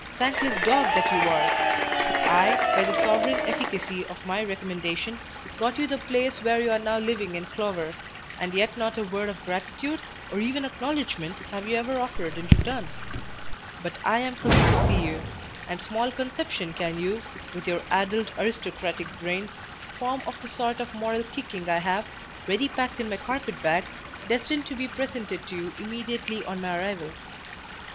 Thankless dog that you are! I, by the sovereign efficacy of my recommendation, got you the place where you are now living in clover, and yet not a word of gratitude, or even acknowledgment, have you ever offered in return; but I am coming to see you, and small conception can you, with your addled aristocratic brains, form of the sort of moral kicking I have, ready packed in my carpet bag, destined to be presented to you immediately on my arrival.